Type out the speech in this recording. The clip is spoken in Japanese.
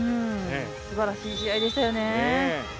すばらしい試合でしたよね。